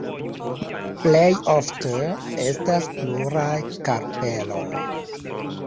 Plejofte, estas pluraj karpeloj.